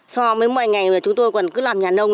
so với mọi ngày mà chúng tôi còn cứ làm nhà nông